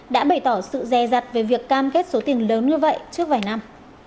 đặt về việc cam kết số tiền lớn như vậy trước vài năm